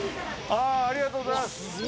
ありがとうございます。